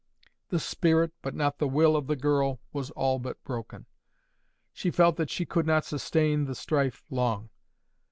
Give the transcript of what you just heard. The spirit but not the will of the girl was all but broken. She felt that she could not sustain the strife long.